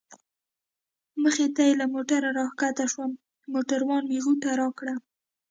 مخې ته یې له موټره را کښته شوم، موټروان مې غوټه راکړه.